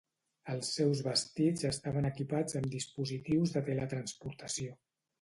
Els seus vestits estaven equipats amb dispositius de teletransportació.